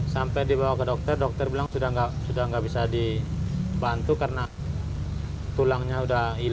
sampai dibawa ke dokter dokter bilang sudah nggak bisa dibantu karena tulangnya sudah hilang